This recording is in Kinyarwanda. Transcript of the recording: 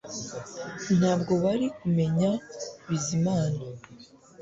Ntabwo wari kumenya Bizimana